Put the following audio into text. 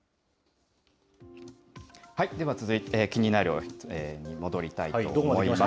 では続いて、キニナル！に戻りたいと思います。